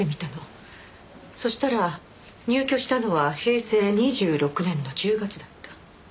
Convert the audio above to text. そしたら入居したのは平成２６年の１０月だった。